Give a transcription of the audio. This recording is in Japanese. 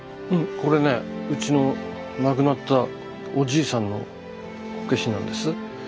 これねうちの亡くなったおじいさんのこけしなんです。